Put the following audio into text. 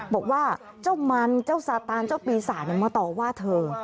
บอกว่าเจ้ามันเจ้าสาตานเจ้าปีศาจมาต่อว่าเธอ